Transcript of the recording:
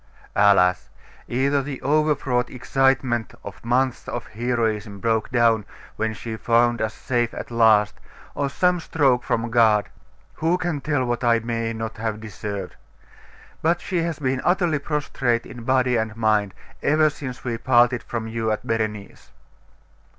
'Alas! either the overwrought excitement of months of heroism broke down when she found us safe at last' or some stroke from God .... Who can tell what I may not have deserved? But she has been utterly prostrate in body and mind, ever since we parted from you at Berenice.